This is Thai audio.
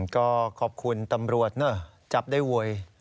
ก็ขอบคุณตำรวจเนอะจับได้เว้ย